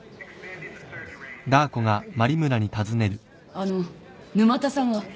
あのう沼田さんは？